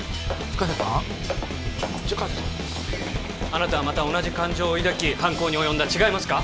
深瀬さんあなたはまた同じ感情を抱き犯行に及んだ違いますか？